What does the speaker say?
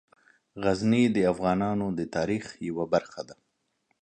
غزني د افغانانو د تاریخ یوه برخه ده.